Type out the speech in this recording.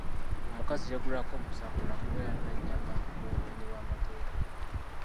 Omukazi yaggulwako omusango lwa kubeera na nnyama mu bumenyi bw'amateeka.